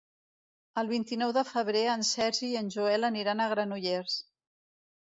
El vint-i-nou de febrer en Sergi i en Joel aniran a Granollers.